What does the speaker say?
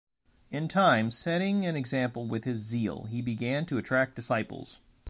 In time, setting an example with his zeal, he began to attract disciples.